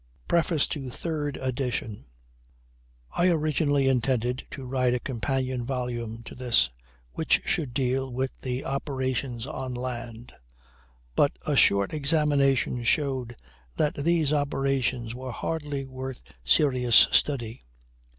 PREFACE TO THIRD EDITION I originally intended to write a companion volume to this, which should deal with the operations on land. But a short examination showed that these operations were hardly worth serious study.